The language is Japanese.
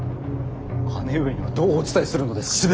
姉上にはどうお伝えするのですか。